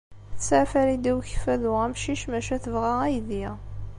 Tesɛa Farida n Ukeffadu amcic, maca tebɣa aydi.